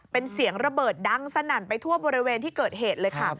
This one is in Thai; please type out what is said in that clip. เป็นเสียงระเบิดดังสนั่นไปทั่วบริเวณที่เกิดเหตุเลยค่ะ